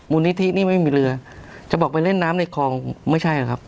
นิธินี่ไม่มีเรือจะบอกไปเล่นน้ำในคลองไม่ใช่นะครับ